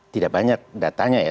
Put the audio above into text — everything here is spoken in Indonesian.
tidak banyak datanya ya